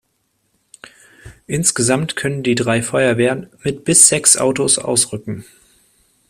Insgesamt können die drei Feuerwehren mit bis sechs Autos ausrücken.